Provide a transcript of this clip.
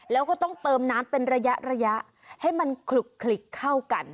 แล้วก็ต้องเติมน้ำเป็นระยะให้มันขลุกเข้ากัน